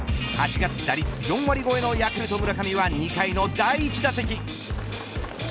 ８月打率４割超えのヤクルト村上は２回の第１打席。